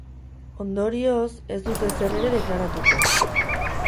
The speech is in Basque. Ondorioz, ez dut ezer ere deklaratuko.